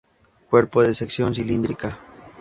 Cuerpo de sección cilíndrica.